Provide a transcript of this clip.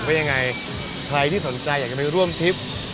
ว่ายังไงใครที่สนใจอยากจะไปร่วมทริป